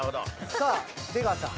さあ出川さん。